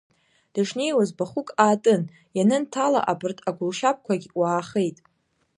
Дышнеиуаз, бахәык аатын, ианынҭала, абарҭ агәылшьаԥқәагь уаахеит.